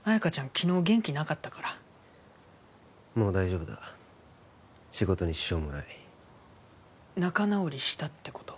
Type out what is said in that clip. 昨日元気なかったからもう大丈夫だ仕事に支障もない仲直りしたってこと？